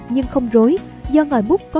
nhưng không rối do ngòi bút có